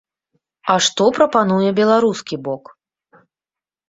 А што прапануе беларускі бок?